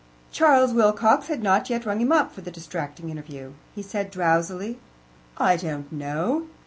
Charles Wilcox had not yet rung him up for the distracting interview. He said drowsily: "I don't know.